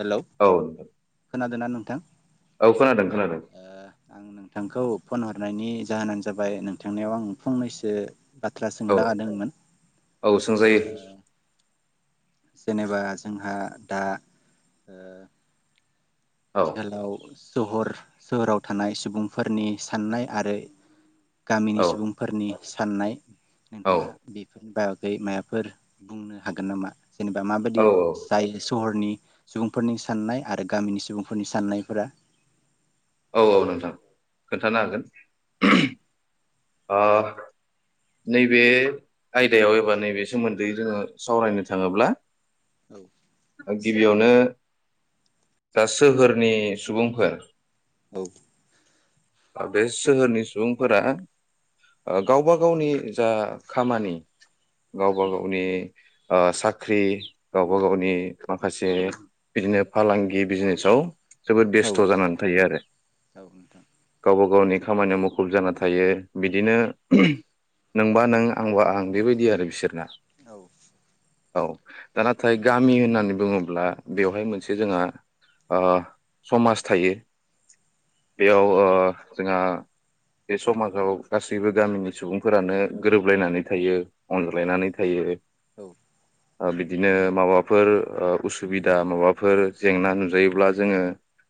Hello औ नोंथां खोनादोंना नों नोंथां औ खोनादों खोनादों ओ आं नोंथांखौ फन हरनायनि जाहोनानो जाबाय नोंथांनायाव आं फंनैसो बाथ्रा औ सोंला लादोंमोन औ सोंजायो ओ जेनेबा जोंहा दा औ आथिखाल सहर सोहोराव थानाय सुबुंफोरनि साननाय आरो गामिनि औ सुबुंफोरनि साननाय औ नोंथाङा बेफोरनि बागै माबाफोर बुंनो हागोन नामा जेनेबा औ माबाददि जायो सहरनि सुबुंफोरनि साननाय आरो गामिनि सुबुं आखुनि साननायफोरा औ औ नोंथां खोन्थानो हागोन औ [inaudible] नैबे आयदायाव एबा नैबे सोमोन्दै जोङो सावरायनो थाङोब्ला औ गिबियावनो दा सोहोरनि सुबुंफोर औ दा बे सोहोरनि सुबुंफोरा गावबा गावनि जा खामानि गावबा गावनि साख्रि गावबा गावनि माखासे बिदिनो फालांगि बिजनेसाव जोबोद औ बेस्थ' जानानै थायो आरो औ नोंथां गावबा गाव गवनि खामानियाव मुखुब जाना थायो बिदिनो नोंबा नों आंबा आं बेबायदि आरो बिसोरना औ औ दा नाथाय गामि होननानै बुङोब्ला बेवहाय मोनसे जोंहा ओ समाज थायो बेयाव ओ जोंहा बे समाजाव गासैबो गामिनि सुबुंफोरानो गोरोबलायनानै थायो अनज्लायनानै थायो औ ओ बिदिनो माबाफोर ओ उसुबिदा माबाफोर जेंना नुजायोब्ला जोङो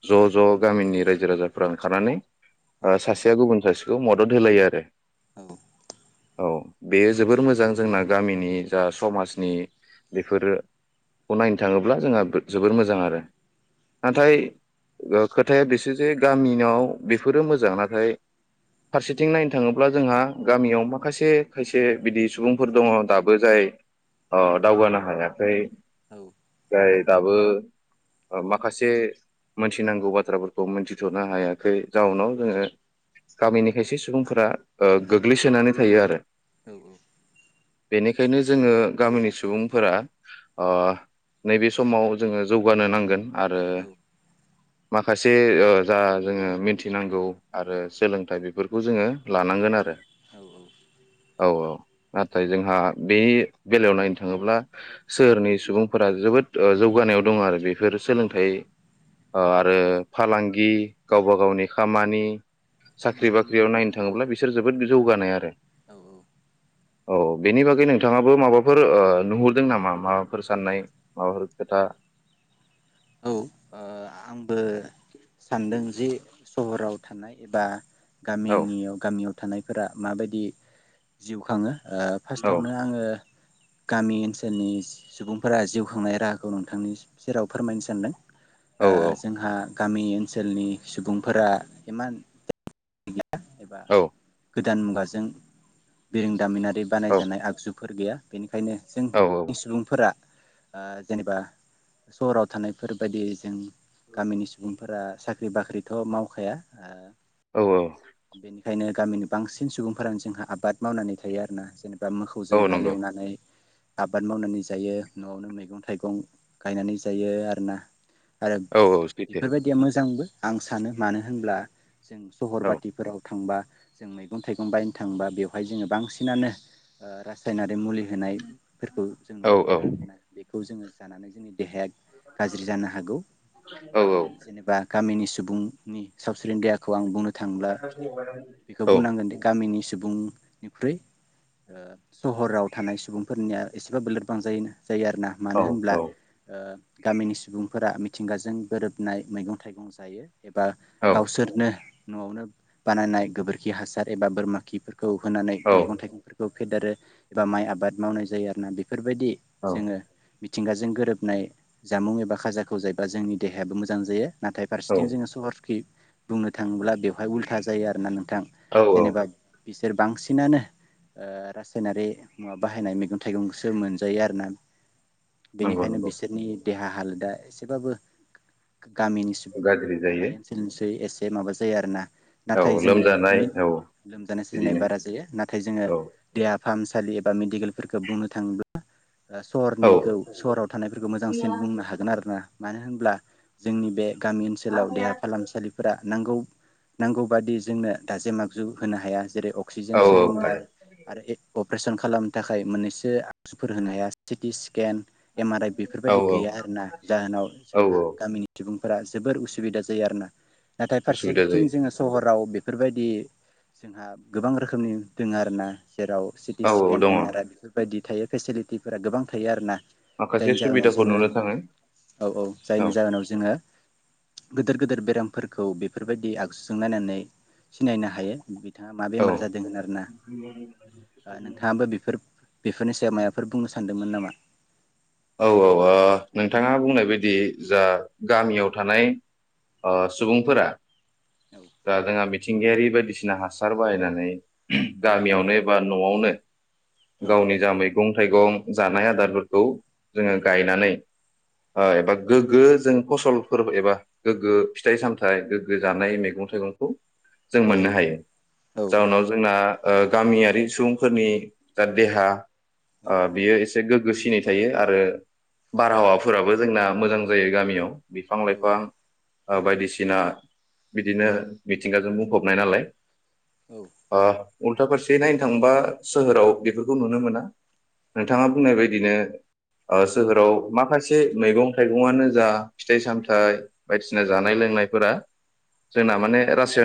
ज' ज' गामिनि रायजो राजाफ्रा ओंखारनानै औ ओ सासेया गुबुन सास खौ मदद होलायो आ रो औ औ बेयो जोबोर मोजां जोंना गामिनि जा समाजनि बेफोरोखौ नायनो थाङोब्ला जोंहा जोबोर मोजां आरो नाथाय ओ खोथाया बेसो जे गामियाव बेफोरो मोजां नाथाय फारसेथिं नायनो थाङोब्ला जोंहा गामियाव माखासे खायसे बिदि सुबुंफोर दङ दाबो जाय ओ दावगानो हायाखै औ फ्राय दाबो ओ माखासे मोनथिनांगौ बाथ्राफोरखौ मोनथिथ'नो हायाखै जाउनाव जोङो गामिनि खायसे सुबुं फ्रा गोग्लैसोनानै थायो आरो औ औ बेनिखायनो जोङो गामिनि सुबुंफोरा अ नैबे समाव जोङो जौगानो नांगोन आरो औ माखासे ओ जा जोङो मिनथिनांगौ आरो सोलोंथाइ बेफोरखौ जोङो लानांगोन आरो औ औ नाथाय जोंहा बे बेलायाव नायनो थाङोब्ला सोहोरनि सुबुंफोरा जोबोद ओ जौगानायाव दङ आरो बेफोर सोलोंथाइ ओ आरो फालां गि गावबा गावनि खामानि साख्रि बाख्रियाव नायनो थाङोब्ला बिसोर जोबोद जौगानाय आरो औ औ औ बेनि बागै नोंथाङाबो माबाफोर ओ नुहरदों नामा माबाफोर साननाय माबाफोर खोथा औ ओ आंबो सानदों जि सहराव थानाय एबा औ गामिनियाव गामियाव थानायफोरा माबायदि जिउ खाङो ओ फास्ट औ आवनो आङो गामि ओनसोलनि सुबुंफोरा जिउ खांनाय राहाखौ नोंथांनि सेराव फोरमायनो सानदों औ ओ औ जोंहा गामि ओनसोलनि सुबुंफोरा इमान [unintelligible] एबा औ गोदान मुगाजों बिरोंदामिनारि औ बानायजानाय आगजु फोर गैया बेनि खायनो जों औ नि सुबुंफोरा ओ जेनेबा सहराव थानायफोरबायदि जों गामिनि सुबुं फोरा साख्रि बाख्रिथ' मावखाया औ औ बेनिखायनो गामिनि बांसिन सुबुंफोरानो जोंहा आबाद मावनानै थायो आरोना जेनेबा बा औ मोसौजों नंगौ हालेवनानै आबाद मावनानै जायो न'आवनो मैगं थाइगं गायनानै जायो आरोना आरो औ औ सैथो बेफोर बायदिया मोजांबो आं सानो मानो होनब्ला जों सहर औ बाथिफोराव थांबा जों मैगं थाइगं बायनो थाङोबा बेवहाय जोङो बांसिनानो रासायनारि मुलि होनायफोरखौ जों औ नुनो औ मोनो आरोना बेखौ जोङो जानानै जोंनि देहाया गाज्रि जानो हागौ औ आरोना जेनेबा गामिनि सुबुंनि सावस्रिनि देहाखौ आं बुंनो थांब्ला बेखौ औ बुंनांगोन गामिनि सुबुंनिख्रुइ सहराव थानाय सुबुंफोरनिया एसेबाब लोरबां जायोना जायो आरोना मानो होनब्ला गामिनि सुबुंफोरा मिथिंगाजों गोरोबनाय मैगं थाइगं जायो एबा गावसोरनो न'आवनो बानायनाय गोबोरखि हासार एबा बोरमा खि खौ होनानै औ मैगं थाइगंफोरखौ फेदेरो एबा माइ आबाद मावनाय जायो आरो ना बेखौ बेफोरबायदि औ जोङो मिथिगाजों गोरोब नाय जामुं एबा खाजाखौ जायोबा जोंनि देहायाबो मोजां जायो नाथाय फारसेथिं जोङो सहरखै बुंनो थाङोब्ला बेवहाय उल्था जायो आरोना नोंथां औ जेनेबा बिसोर बांसिनानो रासायनारि माबा बाहायनाय मैगं थाइगंखौसो मोनजायो आरो ना बेनिखायनो नंगौ बेखायनो नंगौ बिसोरनि देहा हालोदा एसेबाबो गामिनिसो गाज्रि जायो थानाय ओनसोलनिसै एसे बे माबा जायो आरो ना औ नाथाय जोङो लोमजानाय औ लोमजानाय साजानाय बिदिनो बारा जायो नाथाय जोङो औ देहा फाहामसालि एबा मेडिकेलफोरखौ बुंनो थाङोब्ला ओ औ सहरनिखौ सरद थानायफोरखौ मोजांसिन बुंनो हागोन आरो‌ ना ना मानो होनब्ला जोंनि बे गामि ओनसोलाव देहा फाहामसालि फोरा नांगौ बादि जोंनो दाजेम आगजु होनो हाया जेरै अक्सिजेन औ सलिडार आरो अपारेशन खालामनो थाखाय मोननैसो आगजुफोर होनो हाया CT scan M R I औ बेफोरबायदि गैया आरोना जाहोनाव औ जोंहा औ गामिनि सुबुं फोरा जोबोर उसुबिदा जायो आरो ना नाथाय उसुबिदा फारसेथिं जायो जोङो सहराव बेफोरबायदि जोंहा गोबां रोखोमनि दङ आरो ना जेराव सिटि औ औ स्केन दङ एम आर आइ बेफोरबायदि थायो फेसिलिटिफोरा गोबां थायो आरो ना माखासे जायनि जाहोनाव सुबिदाखौ जोङो नुनो थाङो औ औ जायनि जाहोनाव जोङो गिदिर गिदिर बेरामफोरखौ बेफोरबायदि आगजुजों नायनानै सिनायनो हायो बिथाङा मा औ बेमार जादों होनो आरो ना औ नोंथाङाबोफोर बेफोरनि सायाव माबाफोर बुंनो सानदों मोन नामा औ औ नोंथाङा बुंनाय बायदि जा गामियाव थानाय सुबुंफोरा दा जोङा मिथिंगायारि बायदिसिना हासार बाहायनानै औ गामियावनो बा नआवनो औ गावनि जा मैगं थाइगं जानाय आदारफोरखौ जोङो गायनानै एबा गोग्गो जों फसलफोर एबा गोग्गो फिथाइ सामथाइ गोग्गो जानाय मैगं थाइगंखौ जों औ मोननो हायो औ जाहोनाव जोंना गामियारि सुबुंफोरनि जा देहा औ ओ बियो इसे गोग्गो सिनायाव थायो आरो आरो बारहावाफोराबो जोंना मोजां जायो गामियाव बिफां लाइफां ओ बायदिसिना बिदिनो मिथिंगाजों बुंफबनाय नालाय ओ उल्था फारसे नायनो थांबा सोहोराव बेफोरखौ नुनो मोना नोंथाङा बुंनाय बायदिनो ओ सोहोराव माखासे से मैगं थाइगंनो जा फिथाइ सामथायाइ बायदिसिना जानाय लोंनायफोरा जोंना माने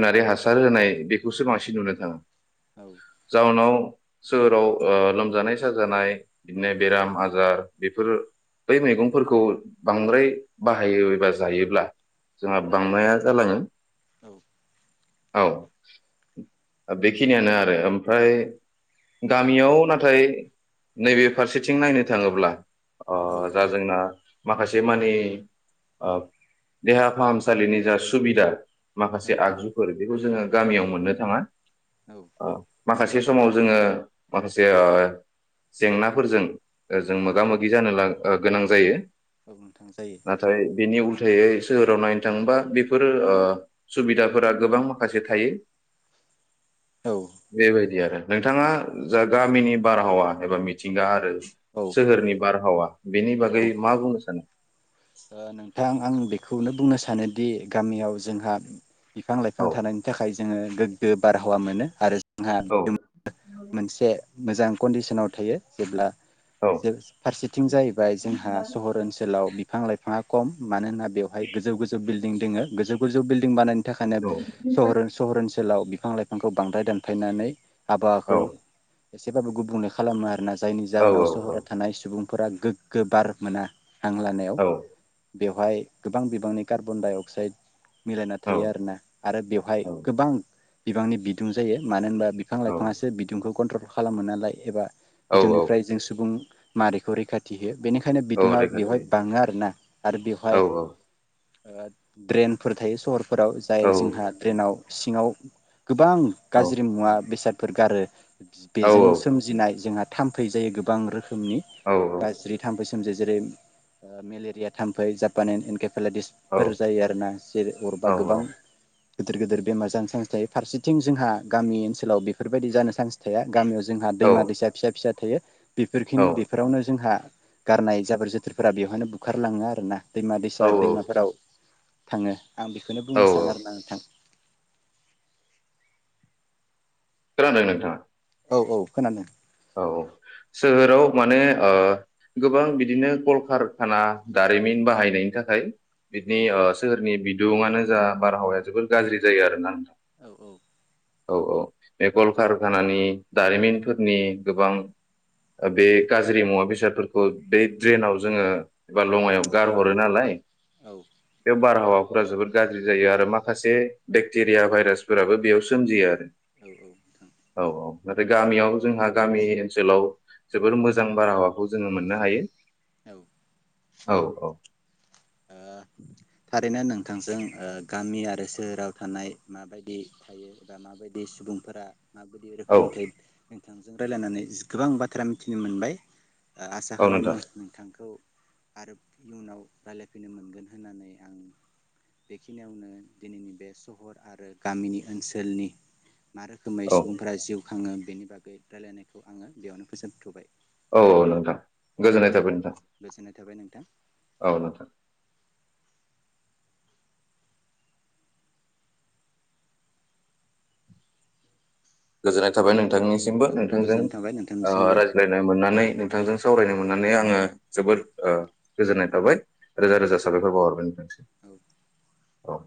नारि हासार होनाय बेखौसो बांसिन नुनो थाङो जाउनाव सोहोराव ओ लोमजानाय साजानाय बिदिनो बेराम आजार बेफोर बै मैगंफोरखौ बांद्राय बाहायोबा जायोब्ला जोंहा [unintelligible] जालाङो औ औ बेखिनियानो आरो ओमफ्राय गामियाव नाथाय नैबे फारसेथिं नायनो थाङोब्ला अ दा जोंना माखासे मानि ओ देहा फाहामसालिनि जा सुबिदा माखासे औ आगजुफोर बेखौ जोङो गामियाव मोननो थाङा औ ओ माखासे समाव जोङो माखासे ओ जेंनाफोरजों जों मोगा मो गि जानो गोनां जायो औ नोंथां जायो थायै सोहोराव नायनो थाङोबा बेफोर ओ सुबिदाफोरा गोबां माखासे थायो बेबायदि आरो नोंथाङा औ जा गामिनि बारहावा एबा मिथिंगा आरो औ सोहोरनि हावा बेनि बागै मा बुंनो सानो नोंथां आं बेखौ खौनो बुंनो सानोदि गामियाव जोंहा बिफां लाइफां औ थानायनि थाखाय जोङो गोग्गो बारहावा मोनो आरो आोंहा औ मोनसे मोजां कन्डिसनाव थायो जेब्ला औ फारसेथिं जाहैबाय जोंहा सहर ओनसोलाव बिां म [unintelligible] बेवहाय गोजौ गोजौ बिल्डिं गोजौ गोजौ बिल्दिं बानाय थाखाय औ सहर ओनसोलाव बि बिफां लाइफांखौ बांद्राय दानफायनानै औ आबहाबावाखौ एसेबाबो गुबुंले खालामो आरोना जायनि औ जाहोनाव सहराव थानाय सुबुं फोर गोग्गो बार मोना हांलानायाव औ औ [unintelligible] बेवहाय गोबां बिबांनि कार्बन डाइ अक्साइड मिलायना औ थायो आरोना आरो बेवहाय गोबां बिबांनि बिदुं जायो मानो होनबा बिफां लाइफाङासो बिदुंखौ कन्ट्रल खालामो नालाय एबा औ औ बिदुंनिफ्राय जों सुबुं मारैखौ रैखाथि होयो बेनिखायनो औ बिदुङा रैखाथि बेवहाय बाङो आरो आरो औ बेवहाय ड्रेनफोर थायो सहर फोराव औ जाय जोंहा ट्रेनाव सिङाव गोबां औ गाज्रि मुवा बेसाद फोर गारो औ बेजों सोमजिनाय जोंहा थाम्फै जायो गोबां रोखोम नि औ गाज्रि थाम बोसो एमजे जेरै [unintelligible] ओ मेलेरिया थाम्फै जापान एन औ फेलायटिसफोर जायो आरोना जेरै अरबा गोबां गोदिर गोदिर बेमार जानो चान्स थायो फारसेथिं जोंहा गामि ओनसोलाव बेफोरबायदि जानो चान्स थाया गामियाव जोंहा दैमा दैसा फिसा फिसा थायो बेफोरखि औ बेफोरावनो जोंहा गारनाय जाबोर जोथोरफोरा बेयाव ओंखाय बुखारलाङो आरो ना दैमा दैसा दैमाफोराव थाङो आं बेखौनो औ बुंनो औ सानो आरो ना नोंथां। खोनादों नोंथाङा औ औ खोनादों औ सोहोराव माने ओ गोबां बिदिनो कलकारखाना दारिमिन बाहायनायनि थाखाय औ बिदिनि सोरनि बि बिदुंयानो जा बारहावाया जोबोर गाज्रि जायो आरो ना नोंथाङा औ औ औ औ बे कल कारखानानि दारिमिनफोरनि गोबां बे गाज्रि मुवा बेसादफोरखौ बे ड्रेनाव जोङो एबा लङायाव गारहरो नालाय औ बेयाव बारहावा फोर जोबोद गाज्रि जायो आरो माखासे बेक्टेरिया भाइरासफोराबो बेयाव सोमजियो आरो औ नोंथां औ औ नाथाय गामियाव जोंहा गामि ओनसोलाव जोबोर मोजां बारहावाखौ जोङो मोननो हायो उम औ औ थारैनो नोंथांजों गामि आरो सोहोराव थानाय माबायदि थायो एबा माबायदि सुबुंफोरा माबादि औ रोखोमनि जायो रायजलायनानै गोबां बाथ्रा मिथिनो मोनबाय आसा औ खालामो नोंथां नोंथांखौ आरो इयुनाव [unintelligible] होफैनो मोनगोन होननानै आं बेखिनियावनो दिनैनि बे सहर आरो गामिनि ओनसोलनि मा रोखोमै औ सुबुंफोरा जिउ खाङो बेनि बागै रायलायनायखौ आङो बेयावनो फोजोबथबाय औ औ नोंथां औ गोजोननाय थाबाय नोंथां गोजोननाय थाबाय नोंथां औ गोजोननाय थाबाय नों नोंथांनिसिमबो औ औ नोंथांजों गोजोननाय थाबाय नोंथांनिसिमबो रायज्लायनो मोननानै नोंथांजों सावरायनो मोननानै आङो जोबोद गोजोननाय थाबाय रोजा औ रोजा साबायखर बावहरबाय नोंथांसिम औ औ